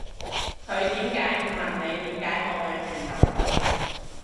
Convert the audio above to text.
佢點解唔問你點解冇女朋友